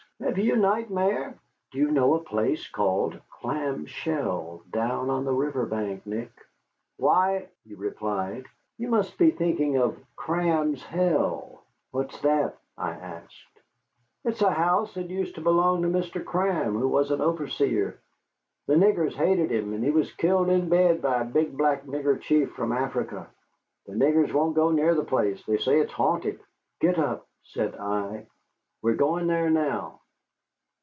"Have you nightmare?" "Do you know a place called Clam Shell, down on the river bank, Nick?" "Why," he replied, "you must be thinking of Cram's Hell." "What's that?" I asked. "It's a house that used to belong to Cram, who was an overseer. The niggers hated him, and he was killed in bed by a big black nigger chief from Africa. The niggers won't go near the place. They say it's haunted." "Get up," said I; "we're going there now."